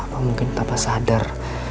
apa mungkin tanpa sadar